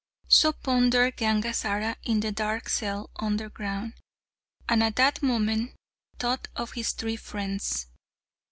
So pondered Gangazara in the dark cell underground, and at that moment thought of his three friends.